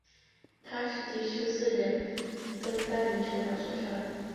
他是第十四任登丹人酋长所杀。